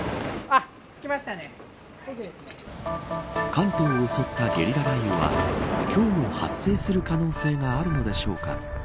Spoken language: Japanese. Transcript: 関東を襲ったゲリラ雷雨は今日も発生する可能性があるのでしょうか。